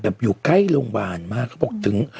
อยู่ใกล้โรงพยาบาลมากเขาบอกถึง